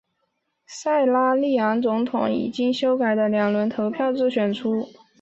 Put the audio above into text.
塞拉利昂总统以经修改的两轮投票制选出。